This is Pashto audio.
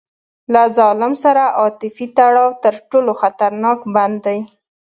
له ظالم سره عاطفي تړاو تر ټولو خطرناک بند دی.